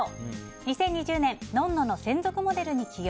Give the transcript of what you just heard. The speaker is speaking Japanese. ２０２０年、「ｎｏｎ‐ｎｏ」の専属モデルに起用。